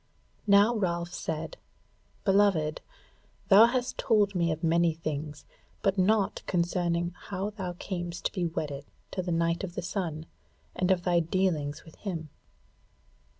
Now Ralph said: "Beloved, thou hast told me of many things, but naught concerning how thou camest to be wedded to the Knight of the Sun, and of thy dealings with him."